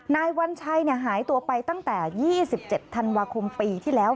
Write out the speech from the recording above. นายวัญชัยหายตัวไปตั้งแต่๒๗ธันวาคมปีที่แล้ว